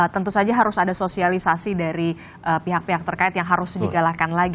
tentu saja harus ada sosialisasi dari pihak pihak terkait yang harus digalakkan lagi